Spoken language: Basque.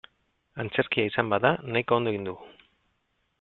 Antzerkia izan bada nahiko ondo egin du.